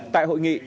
tại hội nghị